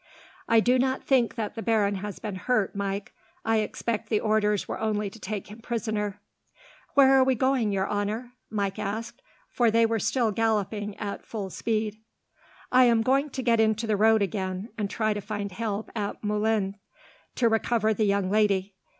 "I do not think that the baron has been hurt, Mike. I expect the orders were only to take him prisoner." "Where are we going, your honour?" Mike asked, for they were still galloping at full speed. "I am going to get into the road again, and try to find help, at Moulins, to recover the young lady.